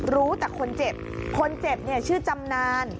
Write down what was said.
รู้แต่คนเจ็บคนเจ็บเนี่ยชื่อจำนาน